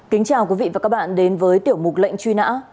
kính chào quý vị và các bạn đến với tiểu mục lệnh truy nã